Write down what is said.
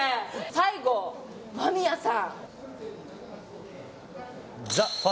最後間宮さん